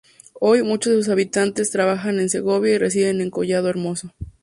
Hoy, muchos de sus habitantes trabajan en Segovia y residen en Collado Hermoso.